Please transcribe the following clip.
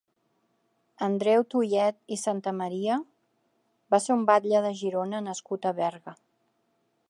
Andreu Tuyet i Santamaria va ser un batlle de Girona nascut a Berga.